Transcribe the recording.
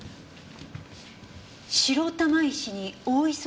白玉石に大磯石。